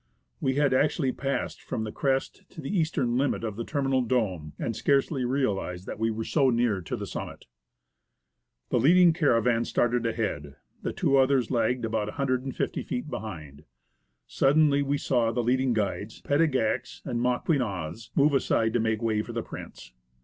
We had actually passed from the crest to the eastern limit of the terminal dome, and scarcely realized that we were so near to the summit. The leading caravan started ahead, the two others lagged about 150 feet behind. Suddenly we saw the leading guides, Petigax and Maquignaz, move aside to make way for the Prince.